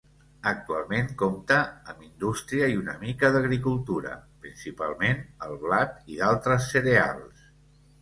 Actualment compta amb indústria i una mica d'agricultura, principalment el blat i d'altres cereals.